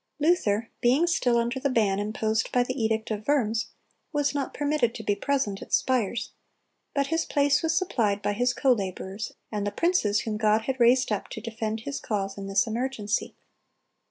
Luther, being still under the ban imposed by the edict of Worms, was not permitted to be present at Spires; but his place was supplied by his co laborers and the princes whom God had raised up to defend His cause in this emergency.